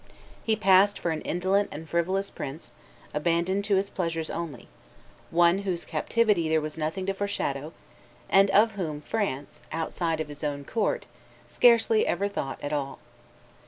He passed for an indolent and frivolous prince, abandoned to his pleasures only; one whose capacity there was nothing to foreshadow, and of whom France, outside of his own court, scarcely ever thought at all.